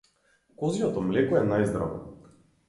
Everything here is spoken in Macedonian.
Козјото млеко е најздраво.